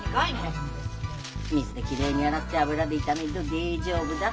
水できれいに洗って油で炒めると大丈夫だ。